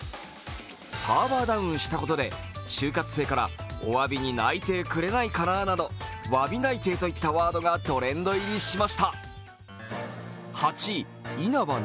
サーバーダウンしたことで、就活性からおわびに内定くれないかなと、詫び内定といったワードがトレンド入りしました。